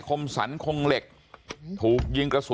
บอกแล้วบอกแล้วบอกแล้วบอกแล้ว